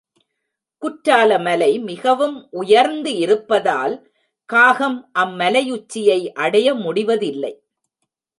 குற்றாலமலை மிகவும் உயர்ந்திருப்பதால், காகம் அம் மலையுச்சியையடைய முடிவதில்லை.